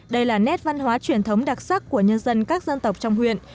đây là nét văn hóa truyền thống đặc sắc của nhân dân các dân tộc trong huyện